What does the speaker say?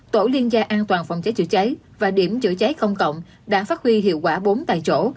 tổ liên gia an toàn phòng cháy chữa cháy và điểm chữa cháy công cộng đã phát huy hiệu quả bốn tại chỗ